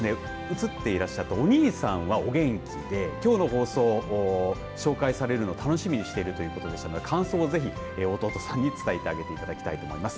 映っていらっしゃったお兄さんはお元気できょうの放送、紹介されるのを楽しみにされているということでしたので感想をぜひ弟さんに伝えていただきたいと思います。